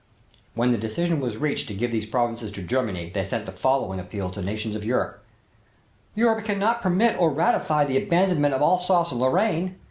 When the decision was reached to give these provinces to Germany they sent the following appeal to the nations of Europe: "Europe cannot permit or ratify the abandonment of Alsace and Lorraine.